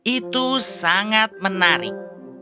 itu sangat menarik